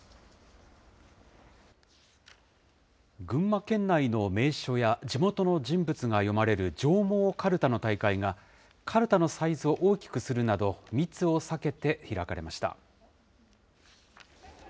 群馬県内の名所や地元の人物が詠まれる上毛かるたの大会が、かるたのサイズを大きくするなど、密を避けて開かれました。